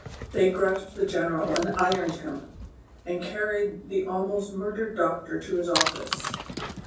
163 They grasped the general and ironed him, and carried the ahuost murdered doctor to his office.